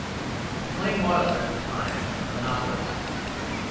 The claim was, at the time, a novel one.